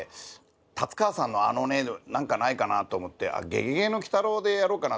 達川さんの「あのね」で何かないかなと思って「ゲゲゲの鬼太郎」でやろうかなと。